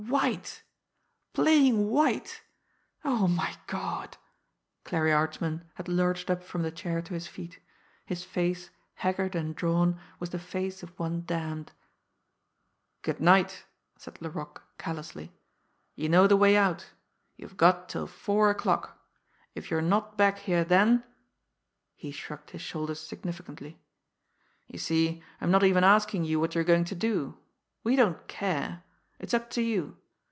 "White! Playing white! Oh, my God!" Clarie Archman had lurched up from the chair to his feet. His face, haggard and drawn, was the face of one damned. "Good night!" said Laroque callously. "You know the way out! You've got till four o'clock. If you're not back here then " He shrugged his shoulders significantly. "You see, I'm not even asking you what you are going to do. We don't care. It's up to you.